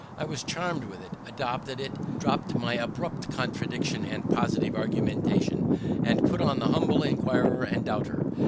I was charm'd with it, adopted it, dropt my abrupt contradiction and positive argumentation, and put on the humble inquirer and doubter.